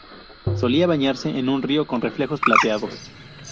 Solía bañarse en un río con reflejos plateados.